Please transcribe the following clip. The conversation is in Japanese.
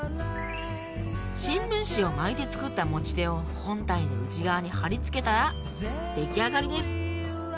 新聞紙を巻いて作った持ち手を本体の内側に貼り付けたら出来上がりです！